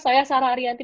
saya sarah ariyanti